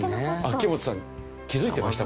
秋元さん気付いてました？